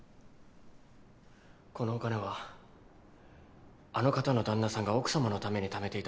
このお金はあの方の旦那さんが奥様のためにためていたものです。